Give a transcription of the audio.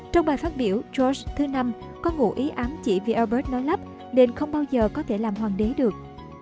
trong bài phát biểu george v có ngủ ý ám chỉ vì albert nói lắp nên không bao giờ có thể làm hoàng đế được